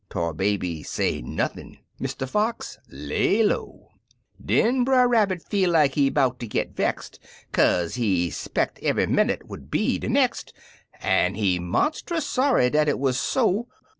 Tar Baby say nothin' — Mr. Fox lay low I Den Brer Rabbit feel like he 'bout ter git vext, Kaze he spected eve'y minnit would be de next. An' he monstus sorry dat it wuz so!